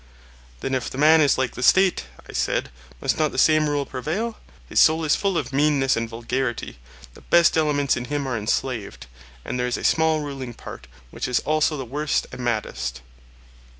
Then if the man is like the State, I said, must not the same rule prevail? his soul is full of meanness and vulgarity—the best elements in him are enslaved; and there is a small ruling part, which is also the worst and maddest.